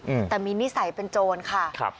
อืมแต่มีนิสัยเป็นโจรค่ะครับ